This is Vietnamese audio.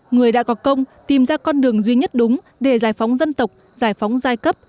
người đã có công tìm ra con đường duy nhất đúng để giải phóng dân tộc giải phóng giai cấp